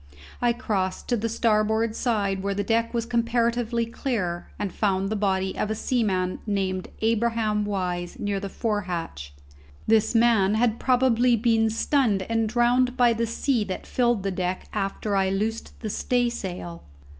I crossed to the starboard side, where the deck was comparatively clear, and found the body of a seaman named Abraham Wise near the fore hatch. This man had probably been stunned and drowned by the sea that filled the deck after I loosed the staysail.